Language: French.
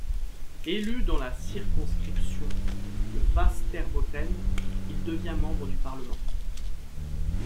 Élu dans la circonscription de Västerbotten, il devient membre du parlement.